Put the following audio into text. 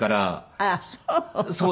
あっそう。